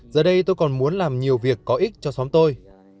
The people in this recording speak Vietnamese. giờ đây tôi còn muốn làm nhiều việc có ích cho xóm tôi